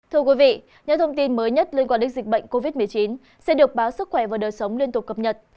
thưa quý vị những thông tin mới nhất liên quan đến dịch bệnh covid một mươi chín sẽ được báo sức khỏe và đời sống liên tục cập nhật